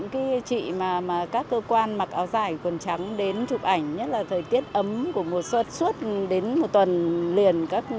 khi hoa nó nở ra rất là đẹp